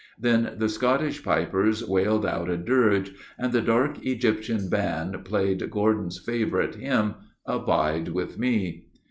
Then the Scottish pipers wailed out a dirge, and the dark Egyptian band played Gordon's favourite hymn, 'Abide with Me.